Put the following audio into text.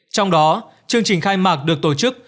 trong đó chương trình khai mạc được tổ chức